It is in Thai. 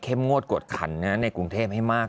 งวดกวดขันในกรุงเทพให้มาก